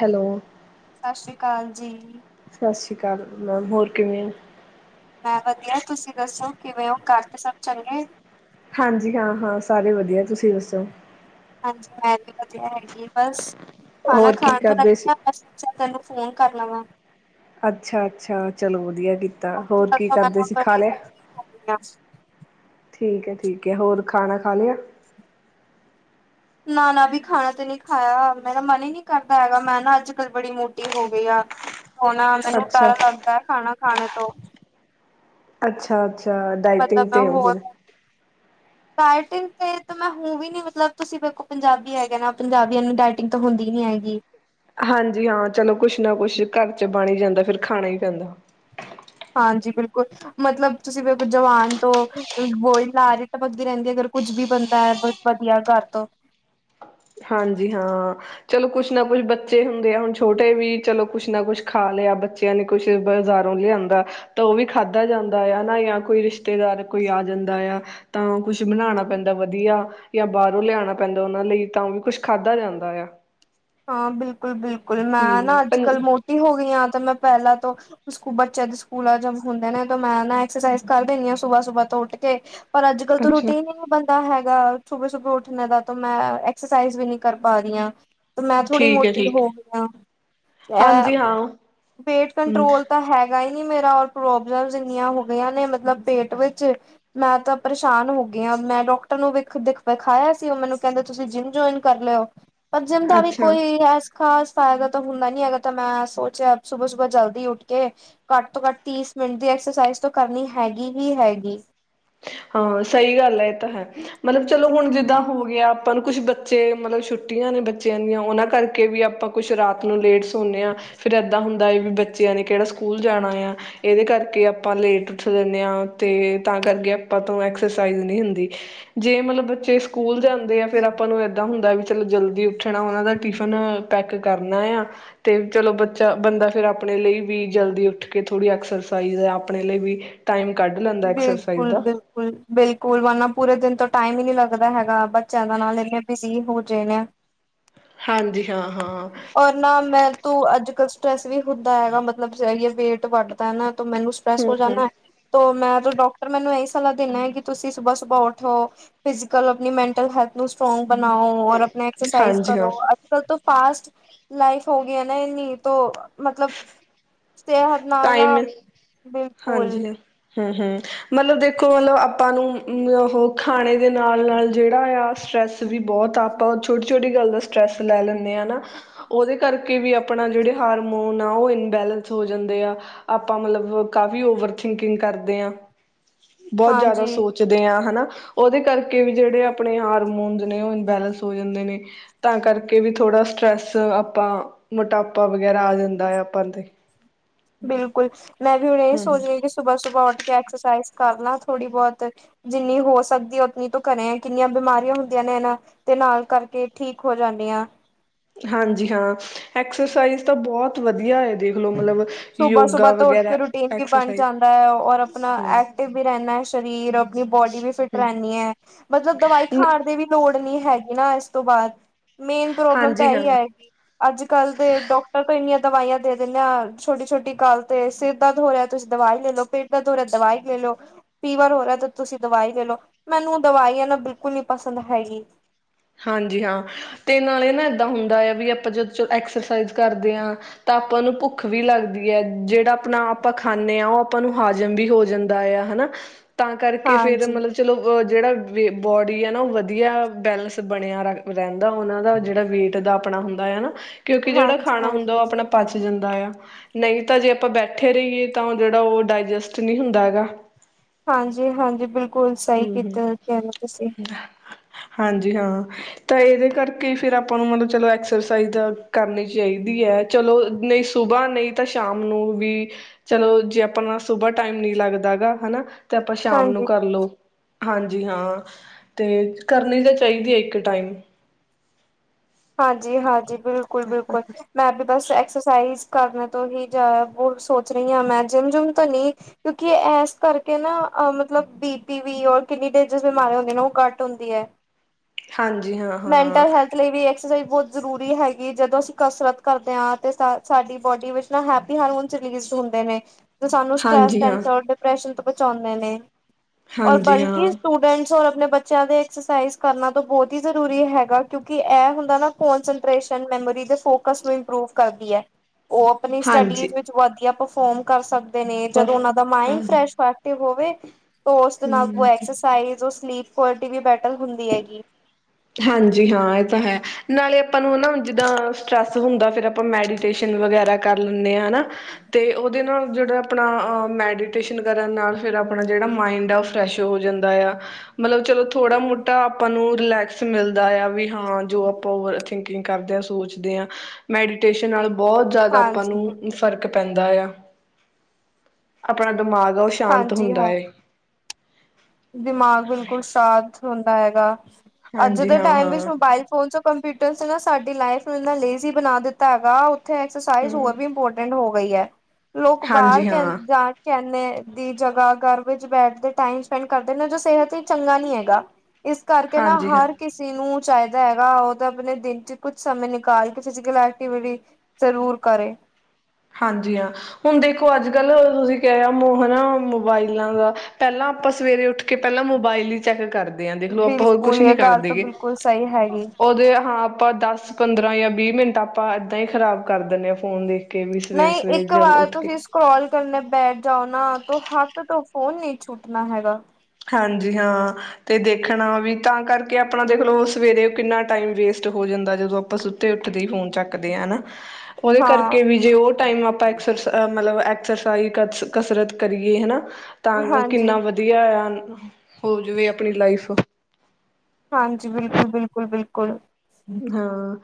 Hello ਸਤਿ ਸ੍ਰੀ ਅਕਾਲ ਜੀ ਸਤਿ ਸ਼੍ਰੀ ਅਕਾਲ ਮੈਮ ਹੋਰ ਕਿਵੇਂ ਹੋਂ ਮੈਂ ਵਧੀਆ ਤੁਸੀਂ ਦੱਸੋ ਕਿਵੇਂ ਹੋ ਘਰ ਤੇ ਸਭ ਚੰਗੇ ਹਾਂਜੀ ਹਾਂ ਹਾਂ ਸਾਰੇ ਵਧੀਆ ਤੁਸੀਂ ਦੱਸੋ ਹਾਂਜੀ ਮੈਂ ਵੀ ਵਧੀਆ ਹੈਗੀ ਬਸ ਖਾਣਾ ਹੋਰ ਕੀ ਖਾਣ ਤਾਂ ਕਰਦੇ ਸੀ ਲੱਗਿਆ ਬ ਸਾ ਤੈਨੂੰ ਫੋਨ ਕਰਨਾ ਵਾ ਅੱਛਾ-ਅੱਛਾ ਚਲੋ ਵਧੀਆ। ਕੀਤਾ ਅੱਜ ਹੋਰ ਤਾਂ ਕੀ ਕਰਦੇ ਖਾਣਾ ਸੀ ਖਾ ਬੜੀ ਲਿਆ ਮੋਟੀ ਹੋ ਗਈ ਆ। ਠੀਕ ਹੈ ਠੀਕ ਹੈ ਹੋਰ ਖਾਣਾ ਖਾ ਲਿਆ ਨਾ ਨਾ ਵੀ ਖਾਣਾ ਤੇ ਨਹੀਂ ਖਾਇਆ ਮੇਰਾ ਮਨ ਹੀ ਨਹੀਂ ਕਰਦਾ ਹੈਗਾ ਮੈਂ ਨਾ ਅੱਜ ਕੱਲ ਬੜੀ ਮੋਟੀ ਹੋ ਗਈ ਆ ਹੁਣ ਮੈਨੂੰ ਅੱਛਾ ਡਰ ਲੱਗਦਾ ਹੈ ਖਾਣਾ ਖਾਣ ਉਹ ਅੱਛਾ ਅੱਛਾ ਡਾਇਟਿੰਗ ਤੇ ਹੋ ਡਾਈਟਿੰਗ ਤੇ ਤਾਂ ਮੈਂ ਹੂੰ ਵੀ ਨੀ ਮਤਲਬ ਤੁਸੀਂ ਦੇਖੋ ਪੰਜਾਬੀ ਹੈਗਾ ਨਾ ਪੰਜਾਬੀਆਂ ਨੂੰ ਟਾਇਟਿੰਗ ਤਾਂ ਹੁੰਦੀ ਨੀ ਹੈਗੀ ਹਾਂਜੀ ਹਾਂ ਚਲੋ ਕੁਛ ਨਾ ਕੁਛ ਘਰ ਚ ਬਣੀ ਜਾਂਦਾ ਫਿਰ ਖਾਣਾ ਹੀ ਪੈਂਦਾ ਹਾਂਜੀ ਬਿਲਕੁਲ ਮਤਲਬ ਤੁਸੀਂ ਫਿਰ ਜਵਾਨ ਤੋਂ ਬੋਹੀ ਲਲਾਜ ਹੀ ਤਾਂ ਪਗਦੀ ਰਹਿੰਦੀ ਅਗਰ ਕੁੱਝ ਵੀ ਬੰਦਾ ਹੈ ਬ ਵਧੀਆ ਘਰ ਤੋਂ ਹਾਂਜੀ ਹਾਂ ਚਲੋ ਕੁਛ ਨਾ ਕੁਛ ਬੱਚੇ ਹੁੰਦੇ ਆ ਹੁਣ ਛੋਟੇ ਵੀ ਚਲੋ ਕੁਛ ਨਾ ਕੁਛ ਖਾ ਲਿਆ ਬੱਚਿਆਂ ਨੇ ਕੁਛ ਬਾਜ਼ਾਰੋਂ ਲਿਆਂਦਾ ਤਾਂ ਉਹ ਵੀ ਖਾਧਾ ਜਾਂਦਾ ਆ ਹਨਾ ਜਾਂ ਕੋਈ ਰਿਸ਼ਤੇਦਾਰ ਕੋਈ ਆ ਜਾਂਦਾ ਆ ਤਾਂ ਕੁਛ ਬਣਾਉਣਾ ਪੈਂਦਾ ਵਧੀਆ ਜਾਂ ਬਾਹਰੋਂ ਲਿਆਉਣਾ ਪੈਂਦਾ ਉਹਨਾਂ ਲਈ ਤਾਂ ਉਹ ਵੀ ਕੁਛ ਖਾਧਾ ਜਾਂਦਾ ਆ ਹਾਂ। ਬਿਲਕੁਲ, ਬਿਲਕੁਲ ਬਿਲਕੁਲ ਮੈਂ ਹਮ ਨਾ ਅੱਜ ਕੱਲ ਮੋਟੀ ਹੋ ਗਈ ਹ ਤੇ ਮੈਂ ਪਹਿਲਾਂ ਤੋਂ ਸਕੂ ਬੱਚਿਆਂ ਦੇ ਸਕੂਲ ਜ ਹੁੰਦੇ ਨੇ ਤੇ ਮੈਂ ਨਾ ਐਕਸਰਸਾਈਜ਼ ਕਰ ਦਿੰਦੀ ਹਾਂ ਸੁਬਾਹ ਸੁਬਾਹ ਤੋਂ ਉੱਠ ਕੇ ਪਰ ਅੱਜ, ਕੱਲ੍ਹ ਤ ਅੱਛਾ ਰਟੀਨ ਹੀ ਨੀ ਬੰਦਾ ਹੈ। ਸੁਬੇ ਸੁਬੇ ਉੱਠਣੇ ਦਾ ਤਾਂ ਮੈਂ ਐਕਸਰਸਾਈਜ਼ ਵੀ ਨਹੀਂੀ ਕਰ ਪਾ ਰਹੀ ਹ ਮੈਂ ਥੋੜ੍ਹੀ ਠੀਕ ਹੈ ਮੋਟੀ ਠੀਕ ਹੈ ਹੋ ਗਈ ਹ ਹਾਂਜੀ ਇਹ ਹਾਂ ਵੇਟ ਹਮ ਕੰਟਰੋਲ ਤਾਂ ਹੈਗਾ ਹੈਗਾ ਹੀ ਨੀ ਮੇਰਾਰ ਪ੍ਰੋਬਲਮ ਇੰਨੀਆਂ ਹੋਗਆਂ ਨੇ ਮਤਲਬ ਪੇਟ ਵਿਚ ਮੈਂ ਤਾਂ ਪਰੇਸ਼ਾਨ ਹੋ ਗਈ ਹ ਮੈਂ ਡਾਕਟਰ ਨੂੰ ਵਖ ਦਿਖ ਵਿਖਾਇਆ ਸੀ ਉਹ ਮੈਨੂੰ ਕਹਿੰਦੇ ਤੁਸੀਂ ਜਿੰਮ ਜੁਆਇਨ ਕਰ ਲਿਓ ਜਿਮ ਦਾ ਵੀ ਅੱਛਾ ਕੋਈ ਹੈ। ਖਾਸ ਫਾਇਦਾ ਤਾਂ ਹੁੰਦਾ ਨੀ ਹੈਗਾ ਤਾਂ ਮੈਂ ਸੋਚਿਆ ਸੁਬ ਸੁਬ ਜਲਦੀ ਉੱਠ ਕੇ ਘੱਟ ਤੋਂ ਘੱਟ ਤੀਸ ਮਿੰਟ ਦੀ ਐਕਸਰਸਾਈਜ਼ ਕਰਨੀ ਹੈਗੀ ਹੀ ਹੈਗੀ। ਹਾਂ ਸਹੀ ਗੱਲ ਹੈ ਇਹ ਤਾਂ ਹੈ ਮਤਲਬ ਚਲੋ ਹੁਣ ਜਿੱਦਾਂ ਹੋ ਗਿਆ ਆਪਾਂ ਨੂੰ ਕੁਛ ਬੱਚੇ ਮਤਲਬ ਛੁੱਟੀਆਂ ਨੇ ਬੱਚਿਆਂ ਦੀਆਂ ਉਹਨਾਂ ਕਰਕੇ ਵੀ ਆਪਾਂ ਕੁਛ ਰਾਤ ਨੂੰ ਲੇਟ ਸੌਦੇ ਹਾਂ। ਫਿਰ ਇੱਦਾਂ ਹੁੰਦਾ ਹੈ ਵੀ ਬੱਚਿਆਂ ਨੇ ਕਿਹੜਾ ਸਕੂਲ ਜਾਣਾ ਆ ਇਹਦੇ ਕਰਕੇ ਆਪਾਂ ਲੇਟ ਉੱਠ ਦਿੰਦੇ ਹਾਂ। ਅਤੇ ਤਾਂ ਕਰਕੇ ਤੋਂ ਐਕਸਰਸਾਈਜ਼ ਨਹੀਂ ਹੁੰਦੀ ਜੇ ਮਤਲਬ ਬੱਚੇ ਸਕੂਲ ਜਾਂ ਦੇ ਆ ਫੇ ਆਪਾਂ ਨੂੰ ਇਏਦਾਂ ਹੁੰਦਾ ਚਲੋ ਜਲਦੀ ਉੱਠਣਾ ਉਹਨਾਂ ਦਾ ਟਿਫਿਨ ਪੈਕ ਕਰਨਾ ਆ ਤੇ ਚਲੋ ਬੱਚਾ ਬੰਦਾ ਫਿਰ ਆਪਣੇ ਲਈ ਵੀ ਜਲਦੀ ਉੱਠ ਕੇ ਥੋੜ੍ਹੀ ਐਕਸਰਸਾਈਜ਼ ਆਪਣੇ ਲਈ ਵੀ ਟਾਈਮ ਕੱਢ ਲੈਂਦਾ ਐਕਸਰਸਾਈਜ਼ ਬਿਲਕੁਲ ਦਾ ਬਿਲਕੁਲ, ਬਿਲਕੁਲ ਵਰਨਾ ਪੂਰੇ ਦਿਨ ਤੋਂ ਟਾਈਮ ਹੀ ਨੀ ਲੱਗਦਾ ਹੈਗਾ। ਬੱਚਿਆਂ ਦਾ ਨਾਲ ਲ ਵੀ ਸੀ ਹੋ ਹਾਂਜੀ ਹਾਂ [unintelligible] ਹਾਂ ਔਰ ਨਾ ਮੈਂ ਤੂੰ ਅੱਜ, ਕੱਲ੍ਹ ਸਟਰੈਸ ਵੀ ਹੁੰਦਾ ਹੈਗਾ ਮਤਲਬਏ ਵੇਟ ਵੱਢਦਾ ਹੈ ਨਾ ਤੇ ਮੈਨੂੰ ਸਪੈਸ ਹੂੰ ਕੋ ਹੂੰ ਜਾਂਦਾ। ਮੈਂ ਤਾਂ ਡਾਕਟਰ ਮੈਨੂੰ ਇਹੀ ਸਲਾਹ ਦੇਂਦਾ ਹੈ। ਕਿ ਤੁਸੀਂ ਸੁਬਾ ਸੁਬਾਹ ਉੱਠਓ ਫਿਜ਼ਕਲ ਆਪਣੀ ਮੈਂਟਲ ਹੈਲਥ ਨੂੰ ਸਟਰੋਂਗ ਬਣਾਓ ਔਰ ਆਪਣਾ ਐਕਸਰਸਾਈਜ਼ ਹਾਂਜੀ ਕਰੋ ਹਾਂ ਅੱਜ ਕੱਲ ਤੋਂ ਫਾਸਟ ਲਾਈਫ ਹੋ ਗਿਆ ਨਾ ਨਹੀਂ ਤ ਮਤਲਬ ਸਿਹਤ ਨਾਲ ਨਾ ਟਾਈਮ ਬਿਲਕੁਲ ਹਾਂਜੀ ਹਾਂ ਹੂੰ- ਹੂੰ ਮਤਲਬ ਦੇਖੋ ਮਤਲਬ ਆਪਾਂ ਨੂੰ ਉਹ ਖਾਣੇ ਦੇ ਨਾਲ- ਨਾਲ ਜਿਹੜਾ ਆ ਸਟਰ੍ਰੈਸ ਵੀ ਬਹੁਤ ਆ ਆਪਾਂ ਛੋਟੀ- ਛੋਟੀ ਗੱਲ ਦਾ ਸਟਰ੍ਰੈਸ ਲੈ ਲੈਂਦੇ ਹਾਂ ਨਾ ਉਹਦੇ ਕਰਕੇ ਵੀ ਆਪਣਾ ਜਿਹੜੇ ਹਾਰਮੋਨ ਆ ਉਹ ਇਨਬੈਲਸ ਹੋ ਜਾਂਦੇ ਆ ਆਪਾਂ ਮਤਲਬ ਕਾਫੀ ਓਵਰਥਿੰਕਿੰਗ ਕਰਦੇ ਹਾਂ। ਬਹੁਤ ਜ਼ਿਆਦਾ ਹਾਂਜੀ ਸੋਚਦੇ ਹਾਂ ਹਨਾ। ਉਹਦੇ ਕਰਕੇ ਵੀ ਜਿਹੜੇ ਆਪਣੇ ਹਾਰਮੋਨ ਨੇ ਉਹ ਇਨਬੈਲੈਂਸ ਹੋ ਜਾਂਦੇ ਨੇ ਤਾਂ ਕਰਕੇ ਵੀ ਥੋੜਾ ਸ੍ਰੈੱਸ ਆਪਾਂ ਮੋਟਾਪਾ ਵਗੈਰਾ ਆ ਜਾਂਦਾ ਹੈ। ਆਪਾਂ ਤੇ ਬਿਲਕੁਲ ਮੈਂ ਵੀ ਨਹੀ ਹਮ ਸੋ ਹਮ ਰਹੀਾਂ ਸੁਬ੍ਹਾ ਸੁਬ੍ਹਾ ਉਠ ਐਕਸਰਸਾਈਜ਼ ਕਰ ਲਾਂ ਥੋੜ੍ਹੀ ਬਹੁਤ ਜਿੰਨੀ ਹੋ ਸਕਦੀ ਉਨੀ ਤੂੰ ਕਰੇ, ਕਿੰਨੀਆਂ ਬਿਮਾਰੀਆਂ ਹੁੰਦੀਆਂ ਨੇ, ਇਹਨਾਂ ਤੇ ਨਾਲ ਕਰਕੇ ਠੀਕ ਹੋ ਜਾਂਦੀ ਆ। ਹਾਂਜੀ ਹਾਂ ਐਕਸਰਸਾਈਜ਼ ਤਾਂ ਬਹੁਤ ਵਧੀਆ ਹੈ ਦੇਖਲੋ ਮਤਲਬ ਸੁਬਾਹ ਯੋਗਾ ਸੁਬਾਹ ਤੋਂ ਉੱਠ ਕੇ ਵਗੈਰਾ ਰੂਟੀਨ ਵੀ ਬਣ ਐਕਸਰਸਾਈਜ਼ ਜਾਂਦਾ ਐ, ਔਰ ਆਪਣਾ ਹਮ ਐਕਟਿਵ ਵੀ ਰਹਿੰਦਾ ਏ ਸਰੀਰ, ਆਪਣੀ ਬੋਡੀ ਵੀ ਫਿਟ ਹਮ ਰਹਿੰਦੀ ਏ ਮਤਲਬ ਦਵਾਈ ਖਾਣ ਦੀ ਵੀ ਲੋੜ ਨਹੀਂ ਹੈਗੀ ਨਾ ਇਸ ਤੋਂ ਬਾਅਦ ਮੇਨ ਪ੍ਰੋਬਲਮ ਤਾਂ ਹਾਂਜੀ ਇਹੀ ਹਾਂ ਹੈਗੀ, ਅੱਜ ਕੱਲ ਦੇ ਡਾਕਟਰ ਤੋਂ ਇੰਨੀਆਂ ਦਵਾਈਆ ਦੇ ਦਿੰਨੇ ਆ ਛੋਟੀ ਛੋਟੀ ਗੱਲ ਤੇ ਸਿਰ ਦਰਦ ਹੋ ਰਿਹਾ, ਤੁਸੀਂ ਦਵਾਈ ਲੈ ਲਓ, ਪੇਟ ਦਰਦ ਹੋ ਰਿਹਾ ਦਵਾਈ ਲੈ ਲਓ, ਫੀਵਰ ਹੋ ਰਿਹਾ ਤੇ ਤੁਸੀਂ ਦਵਾਈ ਲੈ ਲਓ, ਮੈਨੂੰ ਦਵਾਈ ਨਾ ਬਿਲਕੁਲ ਨੀ ਪਸੰਦ ਹੈਗੀ। ਹਾਂਜੀ ਹਾਂ ਤੇ ਨਾਲੇ ਨਾ ਏਦਾਂ ਹੁੰਦਾ ਆ ਵੀ ਆਪਾਂ ਜਦ ਐਕਸਰਸਾਈਜ਼ ਕਰਦੇ ਆ ਤਾਂ ਆਪਾਂ ਨੂੰ ਭੁੱਖ ਵੀ ਲੱਗਦੀ ਆ, ਜਿਹੜਾ ਆਪਣਾ ਆਪਾਂ ਖਾਣੇ ਆ ਉਹ ਆਪਾਂ ਨੂੰ ਹਾਜ਼ਮ ਵੀ ਹੋ ਜਾਂਦਾ ਆ ਹਨਾ। ਤਾਂ ਕਰਕੇ ਫੇਰ ਹਾਂਜੀ ਮਤਲਬ ਚਲੋ ਜਿਹੜਾ ਬੋਡੀ ਆ ਨਾ ਉਹ ਵਧੀਆ ਬੈਲੈਂਸ ਬਣਿਆ ਰ ਰਹਿੰਦਾ, ਉਹਨਾਂ ਦਾ ਜਿਹੜਾ ਵੇਟ ਦਾ ਆਪਣਾ ਹੁੰਦਾ ਹੈ ਨਾ ਕਿਉਂਕਿ ਜਿਹੜਾ ਹਾਂਜੀ ਖਾਣਾ ਹੁੰਦਾ, ਉਹ ਹਾਂਜੀ ਆਪਣਾ ਪਚ ਜਾਂਦਾ ਆ। ਨਹੀਂ ਤਾਂ ਜੇ ਆਪਾਂ ਬੈਠੇ ਰਹੀਏ, ਤਾਂ ਉਹ ਜਿਹੜਾ ਉਹ ਡਾਇਜਸਟ ਨਹੀਂ ਹੁੰਦਾ ਹੈਗਾ। ਹਾਂਜੀ -ਹਾਂਜੀ ਬਿਲਕੁਲ ਬਿਲਕੁੱਲ ਸਹੀ ਹਮ ਹਮ ਕੀਤਾ ਕਹਿ ਰਹੇ ਹੇ ਤੁਸੀਂ ਹਾਂਜੀ ਹਾਂ ਤਾਂ ਇਹਦੇ ਕਰਕੇ ਫਿਰ ਆਪਾਂ ਨੂੰ ਮਤਲਬ ਚਲੋ ਐਕ ਐਕਸਰਸਾਈਜ਼ ਕਰਨੀ ਚਾਹੀਦੀ ਹੈ, ਚਲੋ ਨਹੀਂ ਸੁਬਾਹ ਨਹੀਂ ਤਾਂ ਸ਼ਾਮ ਨੂੰ ਵੀ, ਚਲੋ ਜੇ ਆਪਣਾ ਸੁਬਾਹ ਟਾਈਮ ਨੀ ਲੱਗਦਾ ਹੈਗਾ ਹਨਾ। ਤੇ ਆਪਾਂ ਸ਼ਾਮ ਹਾਂਜੀ ਨੂੰ ਕਰ ਲਉ। ਹਾਂਜੀ ਹਾਂ ਤੇ ਕਰਨੀ ਤਾਂ ਚਾਹੀਦੀ ਹੈ ਇੱਕ ਟਾਈਮ। ਹਾਂਜੀ- ਹਾਂਜੀ। ਬਿਲਕੁਲ -ਬਿਲਕੁਲ, ਮੈਂ ਵੀ ਬਸ ਐਕਸਰਸਾਈਜ਼ ਕਰਨ ਤੋਂ ਹੀ ਜਾਇਆ ਬ ਸੋਚ ਰਹੀ ਹਾਂ, ਮੈਂ ਜਿੰਮ ਜੁਮ ਤਾਂ ਨਹੀਂ, ਕਿਉਂਕਿ ਇਸ ਕਰਕੇ ਨਾ ਮਤਲਬ ਬੀ ਪੀ ਵੀ ਔਰ ਕਿੰਨੀ ਡੇਂਜਰਸ ਬਿਮਾਰੀ ਹੁੰਦੀ ਨੇ, ਉਹ ਘੱਟ ਹੁੰਦੀ ਐ। ਹਾਂਜੀ ਹਾਂ ਹਾਂ। ਲਈ ਵੀ ਬਹੁਤ ਜ਼ਰੂਰੀ ਹੈਗੀ, ਜਦੋਂ ਅਸੀਂ ਕਸਰਤ ਕਰਦੇ ਹਾਂ, ਤੇ ਸਾਡੀ ਬੋਡੀ ਵਿੱਚ ਨਾ ਹੈਪੀ ਹਾਰਮੋਨਲੀ ਹੁੰਦੇ ਨੇ। ਸਾਨੂੰ ਸਟਰੈਸ, ਹਾਂਜੀ ਹਾਂ ਟੈਨਸ਼ਨ, ਡਿਪਰੈਸ਼ਨ ਬਚਾਉਂਦੇ ਨੇ। ਔਰ ਹਾਂਜੀ ਬਲਕਿ ਹਾਂ ਸਟੂਡੈਂਟਸ ਆਪਣੇ ਬੱਚਿਆਂ ਦੇ ਐਕਸਜਸਾਈਜ਼ ਕਰਨਾ ਤਾਂ ਬਹੁਤ ਹੀ ਜ਼ਰੂਰੀ ਹੈਗਾ, ਕਿਉਂਕਿ ਇਹ ਹੁੰ ਕੱਲੇ ਕੋਂਸਟਰੇਟ, ਮੈਮੋਰੀ ਦੇ ਫੋਕਸ ਨੂੰ ਇਮਪਰੂਵ ਕਰਦੀ ਐ। ਉਹ ਆਪਣੀ ਸਟੱਡੀਜ਼ ਹਾਂਜੀ ਵਿੱਚ ਵਧੀਆ ਪਰ ਪਰਫੋਮ ਕਰ ਸਕਦੀ ਨੇ ਜਦੋਂ ਬਸ ਉਹਨਾਂ ਦਾ ਹਾਂ ਮਾਇੰਡ ਫਰੈਸ਼ ਐਕਟਿਵ ਹੋਵੇ। [unintelligible] ਔਰ ਉਸਦੇ ਨਾਲ ਹਮ ਐਕਸਰਸਾਈਜ਼ ਉਸ ਸਲੀਪ ਕੋਅਲਿਟੀ ਵੀ ਬੈਟਰਲ ਹੁੰਦੀ ਹੈਗੀ। ਹਾਂਜੀ ਹਾਂ ਇਹ ਤਾਂ ਹੈ ਨਾਲੇ ਆਪਾਂ ਨੂੰ ਹਨਾ ਜਿੱਦਾਂ ਸਟਰ੍ਰੈਸ ਹੁੰਦਾ ਫਿਰ ਆਪਾਂ ਮੈਡੀਟੇਸ਼ਨ ਵਗੈਰਾ ਕਰ ਲੈਨੇ ਹ ਹਨਾ ਤੇ ਉਹਦੇ ਨਾਲ ਜਿਹੜਾ ਆਪਣਾ ਅ ਮੈਡੀਟੇਸ਼ਨ ਕਰਨ ਨਾਲ ਫਿਰ ਆਪਣਾ ਜਿਹੜਾ ਮਾਈੰਡ ਆ ਉਹ ਫਰੈਸ਼ ਹੋ ਜਾਂਦਾ ਆ ਮਤਲਬ ਚਲੋ ਥੋੜਾ ਮੋਟਾ ਆਪਾਂ ਨੂੰ ਰਿਲੈਕਸ। ਮਿਲਦਾ ਆ ਵੀ ਹਾਂ ਜੋ ਆਪਾਂ ਓਵਰ ਥਿੰਕਿੰਗ ਕਰਦੇ ਆ ਸੋਚਦੇ ਆ ਮੈਡੀਟੇਸ਼ਨ ਨਾਲ। ਬਹੁਤ ਜ਼ਿਆਦਾ ਆਪਾਂ ਹਾਂਜੀ, ਨੂੰ ਬਿਲਕੁਲ। ਫ਼ਰਕ ਪੈਂਦਾ ਆ। ਆਪਣਾ ਦਿਮਾਗ ਆ ਉਹ ਸ਼ਾਂਤ ਹਾਂਜੀ ਹੁੰਦਾ ਹਾਂ ਏ। ਦਿਮਾਗ ਬਿਲਕੁਲ ਸ਼ਾਂਤ ਹੁੰਦਾ ਹੈਗਾ। ਅੱਜ ਹਾਂਜੀ ਦੇ ਹਾਂ ਟਾਈਮ ਵਿੱਚ ਹਾਂ ਮੋਬਾਇਲ ਫੋਨ ਚ ਕੰਪਿਊਟਰ ਚ ਨਾ ਸਾਡੇ ਤੇ ਲਾਈਫ ਨੂੰ ਇੰਨਾ ਲੇਜ਼ੀ ਬਣਾ ਦਿੱਤਾ ਹੈਗਾ। ਉਥੇ ਐਕਸਜਸਾਈਜ਼ ਹਮ ਹੋਰ ਵੀ ਇੰਪੋਰਟੈਂਟ ਹੋ ਗਈ ਐ। ਲੋਕ ਬਾਹਰ ਹਾਂਜੀ ਕਹ ਹਾਂ ਜਾ ਕਹਿ ਨੇ ਦੀ ਜਗ੍ਹਾ ਘਰ ਵਿੱਚ ਬੈਠਦੇ ਟਾਈਮ ਸੈਂਡ ਕਰਦੇ ਨੇ ਜੋ ਸਿਹਤ ਈ ਚੰਗਾ ਨੀ ਹੈਗਾ। ਇਸ ਕਰਕੇ ਨਾ ਹਾਂਜੀ ਹਾਂ ਹਰ ਕਿਸੀ ਨੂੰ ਚਾਹੀਦਾ ਹੈਗਾ ਉਹ ਤਾਂ ਆਪਣੇ ਦਿਨ ਚ ਕੁਛ ਸਮੇਂ ਨਿਕਾਲ ਕੇ ਫਿਜ਼ੀਕਲ ਐਕਟੀਵਿਟੀ, ਜ਼ਰੂਰ ਕਰੇ। ਹਾਂਜੀ ਹਾਂ ਹੁਣ ਦੇਖੋ ਅੱਜ ਕੱਲ ਅ ਤੁਸੀਂ ਕਹਿ ਮ ਨਾ ਮੋਬਾਇਲਾਂ ਦਾ ਪਹਿਲਾਂ ਆਪਾਂ ਸਵੇਰੇ ਉੱਠ ਕੇ ਪਹਿਲਾਂ ਮੋਬਾਇਲ ਹੀ ਚੈੱਕ ਕਰ। ਦੇ ਆ ਦੇਖਲੋ ਆਪਾਂ ਹੋਰ ਕੁਛ ਬਿਲਕੁਲ ਨੀ ਇਹ ਗੱਲ ਤਾਂ ਕਰਦੇਗੇ, ਬਿਲਕੁਲ ਸਹੀ ਹੈਗੀ। ਉਹਦੇ ਹਾਂ। ਆਪਾਂ ਦਸ ਪੰਦਰਾਂ ਜਾਂ ਵੀਹ ਮਿੰਟ ਆਪਾਂ ਏਦਾਂ ਹੀ ਖ਼ਰਾਬ ਕਰ ਦੀਨੇ ਆ ਫੋਨ ਦੇ। ਨਈ ਇੱਕ ਵਾਰ ਤੁਸੀਂ ਸਕਰੋਲ ਕੋਈ ਨਾ ਬੈਠ ਜਾਉ ਨਾ ਤੋਂ ਹੱਕ ਤੋਂ ਫੋਨ ਨੀ ਛੁੱਟਣਾ ਹੈਗਾ। ਹਾਂਜੀ ਹਾਂ ਤੇ ਦੇਖਣਾ ਵੀ ਤਾਂ ਕਰਕੇ ਆਪਣਾ ਦੇਖ ਲੋ ਸਵੇਰੇ ਕਿੰਨਾ ਟਾਈਮ ਵੇਸਟ ਹੋ ਜਾਂਦਾ ।ਜਦੋਂ ਆਪਾਂ ਸੁਤ ਤੇ ਉੱਠਦੇ ਈ ਫੋਨ ਚੱਕਦੇ ਆ ਨਾ ਉਹਦੇ ਹਾਂ ਕਰਕੇ ਵੀ ਜੇ ਉਹ ਟਾਇਮ ਨੂੰ ਆਪਾਂ ਐਕਸਰ ਸ ਅਮ ਮਲਬ ਐ ਐਕਸਾਈਜ ਕਤਸ ਕਸਰਤ ਕਰੀਏ ਹਨਾ। ਤਾਂ ਗ ਹਾਂਜੀ ਕਿੰਨਾ ਵਧੀਆ ਆ। ਹੋ ਜਵੇ ਆਪਣੀ ਲਾਈਫ ਅ। ਹਾਂਜੀ ਬਿਲਕੁਲ-ਬਿਲਕੁਲ-ਬਿਲਕੁਲ। ਹਾਂ।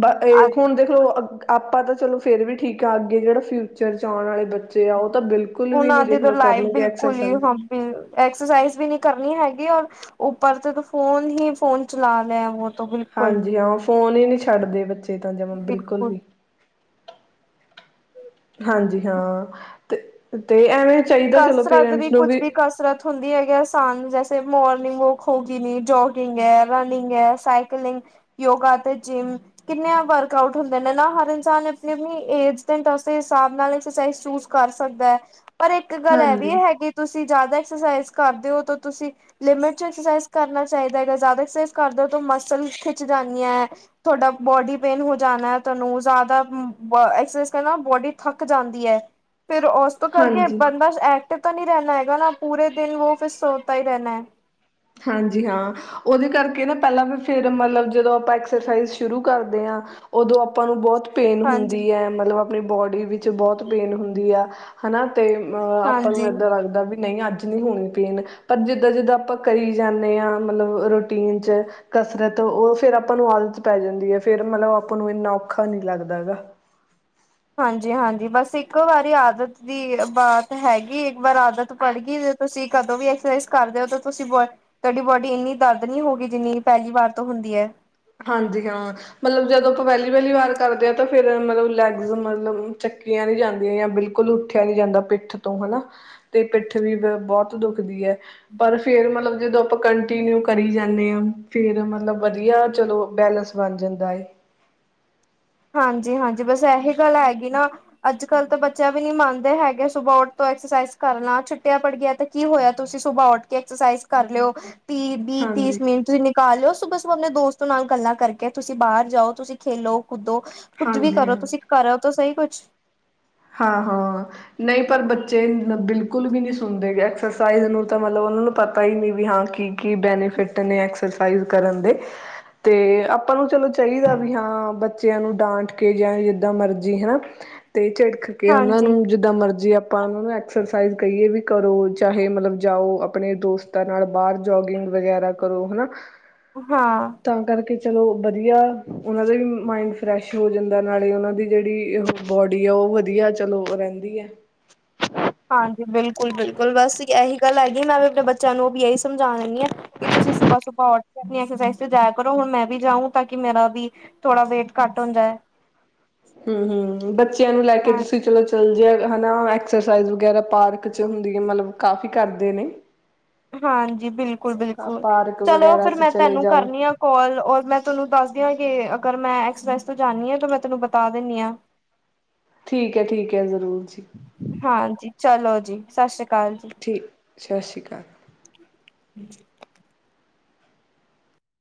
ਬ ਇਹ ਹੁਣ ਦੇਖ ਲੋ ਅ ਗ ਆਪਾਂ ਤਾਂ ਚਲੋ ਫਿਰ ਵੀ ਠੀਕ ਆ ਅੱਗੇ ਜਿਹੜਾ ਫਿਊਚਰ ਚ ਆਉਣ ਵਾਲੇ ਬੱਚੇ ਆ ਉਹ ਤਾਂ ਬਿਲਕੁਲ ਵੀ ਉਹਨਾਂ ਨੀ ਦੀ ਤਾਂ ਦੇਖਲੋ ਲਾਈਫ ਕਰਨਗੇ ਬਿਲਕੁਲ ਹੀ ਐਕਸਰਸਾਈਜ਼ ਹਾਂ ਬ ਐਕਸਰਸਾਈਜ਼ ਵੀ ਨੀ ਕਰਨੀ ਹੈਗੀ ਔਰ ਉੱਪਰ ਤੇ ਤਾਂ ਫੋਨ ਹੀ ਫੋਨ ਚਲਾ ਲਿਆ ਵ ਹਾਂਜੀ ਹਾਂ ਫੋਨ ਈ ਨੀ ਛੱਡਦੇ ਬੱਚੇ ਚੇਤ ਆ ਜਮਾ ਬਿਲਕੁਲ ਵੀ ਹਾਂਜੀ ਹਾਂ ਤੇ ਤੇ ਐਵੇਂ ਚਾਹੀਦਾ ਚਲੋ ਕਸਰਤ ਵੀ ਪੇਰੈਂਟਸ ਨੂੰ ਕੁੱਝ ਵੀ ਕਸਰਤ ਹੁੰਦੀ ਹੈਗੀ ਆਸਾਨ ਜੈੇ ਮੋਰਨਿੰਗ ਵੋਕ ਹੋ ਗਈ ਨੀ ਜੋਗਿੰਗ ਹੈ ਰਨਿੰਗ ਹੈ ਸਾਈਕਲਿੰਗ ਯੋਗਾ ਤੇ ਜਿੰਮ ਕਿੰਨੇ ਵਰਕ ਆਊਟ ਹੁੰਦੇ ਨੇ ਨਾ ਹਰ ਇਨਸਾਨ ਆਪਣੀ ਆਪਣੀ ਏਜ ਉਸ ਦੇ ਹਿਸਾਬ ਨਾਲ ਐਕਸਰਸਾਈਜ਼ ਚੂਜ ਕਰ ਸਕਦਾ ਹੈ ਪਰ ਇੱਕ ਗੱਲ ਇਹ ਵੀ ਹਾਂਜੀ ਹੈਗੀ ਤੁਸੀਂ ਜ਼ਿਆਦਾ ਕਸ ਕਰਦੇ ਹੋ ਤੁਸੀਂ ਲਿਮਟ ਚਕਸ ਕਰਨਾ ਚਾਹੀਦਾ ਹੈਗਾ ਜ਼ਿਆਦਾਕਸ ਕਰਦੇ ਹੋ ਮਸਲ ਖਿੱਚ ਜਾਂਦੀ ਤੁਹਾਡਾ ਬੋਡੀ ਪੇਨ ਹੋ ਜਾਣਾ ਤੁਹਾਨੂੰ ਜ਼ਿਆਦਾ ਐਕਸਰਸਾਈਜ਼ ਕਰਨਾ ਬੋਡੀ ਥੱਕ ਜਾਂਦੀ ਹੈ ਫਿਰ ਉਸ ਤੋਂ ਕਰਕੇ ਹਾਂਜੀ ਬੰਦਾ ਐਕਟ ਤਾਂ ਨਹੀਂ ਰਹਿਣਾ ਹੈਗਾ ਨਾ ਪੂਰੇ ਦਿਨ ਵਿੱਚ ਫਿਰ ਸੋਤਾ ਹੀ ਰਹਿਣਾ ਹੈ ਹਾਂਜੀ ਹਾਂ ਉਹਦੇ ਕਰਕੇ ਨਾ ਪਹਿਲਾਂ ਵੀ ਫੇਰ ਮਤਲਬ ਜਦੋਂ ਆਪਾਂ ਐਕਸਰਸਾਈਜ਼ ਸ਼ੁਰੂ ਕਰਦੇ ਹਾਂ ਉਦੋਂ ਆਪਾਂ ਨੂੰ ਬਹੁਤ ਪੇਨ ਹਾਂਜੀ, ਹੁੰਦੀ ਹੈ ਮਤਲਬ ਆਪਣੀ ਬੋਡੀ ਵਿੱਚ ਵਿੱਚ ਬਹੁਤ ਪੇਨ ਹੁੰਦੀ ਆ ਹਨਾ ਤੇ ਅਹ ਆਪਾਂ ਨੂੰ ਹਾਂਜੀ। ਏਦਾਂ ਲੱਗਦਾ ਵੀ ਨਹੀਂ ਅੱਜ ਨਹੀਂ ਹੋਣੀ ਪੀਣ ਪਰ ਜਿੱਦਾਂ ਜਿੱਦਾਂ ਆਪਾਂ ਕਰੀ ਜਾਂਦੇ ਹਾਂ ਮਤਲਬ ਰੂਟੀਨ ਚ ਕਸਰਤ ਉਹ ਫਿਰ ਆਪਾਂ ਨੂੰ ਆਦਤ ਪੈ ਜਾਂਦੀ ਹੈ ਫਿਰ ਮਤਲਬ ਆਪਾਂ ਨੂੰ ਇੰਨਾ ਔਖਾ ਨਹੀਂ ਲੱਗਦਾ ਹੈ ਗਾ ਹਾਂਜੀ-ਹਾਂਜੀ ਬਸ ਇੱਕੋ ਵਾਰੀ ਆਦਤ ਦੀ ਬਾਤ ਹੈਗੀ ਇਕ ਵਾਰ ਆਦਤ ਪੜ ਗਈ ਜ ਤੁਸੀਂ ਕਦੋਂ ਵੀ ਐਕਸਰਸਾਈਜ਼ ਕਰਦੇ ਹੋ ਤਾਂ ਤੁਸੀਂ ਬੋ ਤੁਹਾਡੀ ਬੋਡੀ ਇੰਨੀ ਦਰਦ ਨਹੀਂ ਹੋਗੀ ਜਿੰਨੀ ਪਹਿਲੀ ਵਾਰ ਤੋਂ ਹੁੰਦੀ ਹੈ। ਹਾਂਜੀ ਹਾਂ ਮਤਲਬ ਜਦੋਂ ਆਪਾਂ ਪਹਿਲੀ ਵਹਿਲੀ ਵਾਰ ਕਰਦੇ ਹਾਂ ਤਾਂ ਫਿਰ ਮਤਲਬ ਲੈਗਜ਼ ਮਤਲਬ ਚੱਕੀਆਂ ਨੀ ਜਾਂਦੀਆਂ ਬਿਲਕੁਲ ਉੱਠਿਆ ਨੀ ਜਾਂਦਾ ਪਿੱਠ ਤੋਂ ਹਨਾ। ਤੇ ਪਿੱਠ ਵੀ ਬਹੁਤ ਦੁੱਖਦੀ ਹੈ ਪਰ ਫੇਰ ਮਤਲਬ ਜਦੋਂ ਆਪਾਂ ਕੰਟੀਨਿਊ ਕਰੀ ਜਾਂਦੇ ਹਾਂ ਫੇਰ ਮਤਲਬ ਵਧੀਆ । ਚਲੋ ਬੈਲਸ ਬਣ ਜਾਂਦਾ ਏ। ਹਾਂ ਜੀ ਹਾਂ ਜੀ ਬਸ ਇਹੀ ਗੱਲ ਹੈਗੀ ਨਾ । ਅੱਜ ਕੱਲ੍ਹ ਤਾਂ ਬੱਚਾ ਵੀ ਨੀ ਮੰਨਦੇ ਹੈਗੇ ਸੁਬਹ ਉੱਠ ਤੋਂ ਐਕਸਰਸਾਈਜ਼ ਕਰਨਾ । ਛੁੱਟੀਆਂ ਪੜ ਗਈਆ ਤੇ ਕੀ ਹੋਇਆ ਤੁਸੀਂ ਸੁਬਹ ਉੱਠ ਕੇ ਐਕਸਰਸਾਈਜ਼ ਕਰ ਲਿਓ । ਤੀਹ ਵੀਹ ਤੀਸ ਹਾਂਜੀ ਮੀਨ ਤੁਸੀਂ ਨਿਕਾਲ ਲਿਓ ਸੁਬ । ਆਪਣੇ ਦੋਸਤ ਨਾਲ ਗੱਲਾਂ ਕਰਕੇ ਤੁਸੀਂ ਬਾਹਰ ਜਾਓ ਤੁਸੀਂ ਖੇਲੋ। ਕੁੱਦੋ ਕੁੱਝ ਵੀ ਹਾਂਜੀ ਕਰੋ । ਹਾਂ ਤੁਸੀਂ ਕਰੋ ਤਾਂ ਸਹੀ ਕੁਝ। ਅੱਛ । ਹਾਂ ਹਾਂ। ਨਹੀਂ ਪਰ ਬੱਚੇ ਬਿਲਕੁਲ ਵੀ ਨੀ ਸੁਣਦੇ ਐਕਸਰਸਾਈਜ਼ ਨੂੰ ਤਾਂ ਮਤਲਬ ਉਹਨਾ ਨੂੰ ਪਤਾ ਹੀ ਨੀ ਵੀ ਹਾਂ ਕੀ ਕੀ ਬੈਨੀਫਿਟ ਨੇ ਐਕਸਰਸਾਈਜ਼ ਕਰਨ ਦੇ ਤੇ । ਆਪਾਂ ਨੂੰ ਚਲੋ ਚਾਹੀਦਾ ਵੀ ਹਾਂ ਬੱਚਿਆਂ ਨੂੰ ਡਾਂਟ ਕੇ ਜਾਂ ਜਿਦਾਂ ਮਰਜੀ ਹਨਾ ਤੇ ਚਿੜ । ਦੇਖ ਕੇ ਉਹਨਾਂ ਨੂੰ ਹਾਂਜੀ ਜਿੱਦਾਂ ਮਰਜ਼ੀ ਆਪ । ਆਪ ਉਹਨਾਂ ਨੂੰ ਐਕਸਰਸਾਈਜ਼ ਕਹੀਏ ਵੀ ਕਰੋ ਚਾਹੇ ਮਤਲਬ ਜਾਓ ਆਪਣੇ ਦੋਸਤਾਂ ਨਾਲ ਬਾਹਰ ਜੋਗਿੰਗ ਵਗੈਰਾ ਕਰੋ ਹਨਾ । ਹਾਂ । ਚਲੋ ਵਧੀਆ । ਉਹਨਾਂ ਦਾ ਵੀ ਮਾਇੰਡ ਫਰੈਸ਼ ਹੋ ਜਾਂਦਾ ਨਾਲੇ ਉਹਨਾਂ ਦੀ ਜਿਹੜੀ ਬੋਡੀ ਆ ਉਹ ਵਧੀਆ। ਵਧੀਆ ਚਲੋ ਉਹ ਰਹਿੰਦੀ ਹੈ । ਹਾਂਜੀ ਬਿਲਕੁਲ ਬਿਲਕੁਲ ਬਸ ਇਹੀ ਗੱਲ ਹੈਗੀ ਮੈਂ ਵੀ ਆਪਣੇ ਬੱਚਿਆਂ ਨੂੰ ਵੀ ਇਹੀ ਸਮਝਾ ਲੈਂਦੀ ਹਾਂ ਕਿ ਤੁਸੀਂ ਸੁਬਹ ਸੁਬਹ ਉੱਠ ਕੇ ਆਪਣੀ ਐਕਸਾਈ ਤੇ ਜਾਇਆ ਕਰੋ । ਹੁਣ ਮੈਂ ਵੀ ਜਾਊਂ ਤਾਂ ਕਿ ਮੇਰਾ ਵੀ ਥੋੜਾ ਵੇਟ ਘੱਟ ਹੋ ਜਾਏ ਹਮ ਹਮ ਬੱਚਿਆਂ ਨੂੰ ਲੈ ਕੇ ਤੁਸੀਂ ਚਲੋ ਚੱਲ ਜੇ । ਹਨਾ ਐਕਸਰਸਾਈਜ਼ ਵਗੈਰਾ ਪਾਰਕ । ਚ ਹੁੰਦੀ ਹੈ। ਮਤਲਬ ਕਾਫੀ ਕਰਦੇ ਨੇ । ਹਾਂਜੀ ਬਿਲਕੁਲ ਬਿਲਕੁਲ ਪਾਰਕ ਚਲੋ ਵਗੈਰਾ ਫਿਰ ਚ ਮੈਂ ਚਲੇ ਤੈਨੂੰ ਜਾਓ ਕਰਨੀ ਹਾਂ ਕੋਲ ਔਰ ਮੈਂ ਤੁਹਾਨੂੰ ਦੱਸਦੀ ਹਾਂ ਕਿ । ਅਗਰ ਮੈਂ ਐਕਸਪ੍ਰੈਸ ਤੋਂ ਜਾਂਦੀ ਹਾਂ ਤਾਂ ਮੈਂ ਤੈਨੂੰ ਬਤਾ ਦਿੰਦੀ ਹਾਂ । ਠੀਕ ਹੈ ਠੀਕ ਹੈ। ਜ਼ਰੂਰ ਜੀ। ਹਾਂਜੀ ਚਲੋ ਜੀ। ਸਤਿ ਸ੍ਰੀ । ਕਾਲਜ । ਠੀਕ ਸਤਿ ਸ਼੍ਰੀ ਅਕਾਲ। [inaudible]